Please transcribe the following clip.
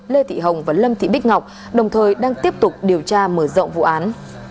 lê thị hồng và lâm thị bích ngọc đồng thời đang tiếp tục điều tra mở rộng vụ án